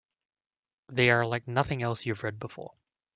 They are like nothing else you've read before.